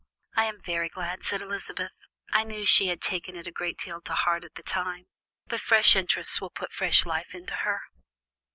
"I am very glad," said Elizabeth. "I knew she had taken it a good deal to heart at the time, but fresh interests will put fresh life into her."